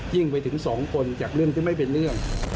ไปถึงสองคนจากเรื่องที่ไม่เป็นเรื่อง